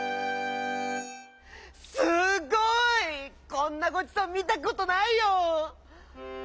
こんなごちそうみたことないよ！」。